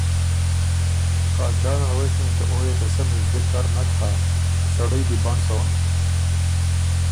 خاجان ال غوېکِن که او يې ته سۀ مِزدِک کر نک هۀ، سړئ دی بنډ سون